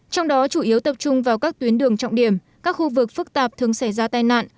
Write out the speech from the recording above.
trong đó chủ yếu tập trung vào các tuyến đường trọng điểm các khu vực phức tạp thường xảy ra tai nạn